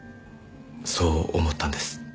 そう思ったんです。